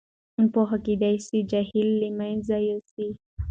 پوهه کېدای سي جهل له منځه یوسي.